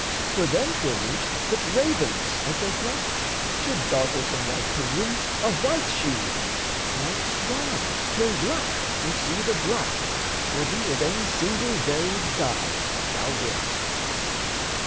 For then 'twere meet that ravens, as they fly, Should dartle from white pinions a white sheen, Or swans turn black from seed of black, or be Of any single varied dye thou wilt.